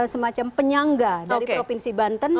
semacam penyangga dari provinsi banten